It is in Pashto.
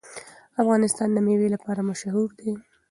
افغانستان د مېوې لپاره مشهور دی.